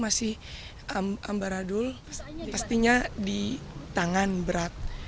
masih ambaradul pastinya di tangan berat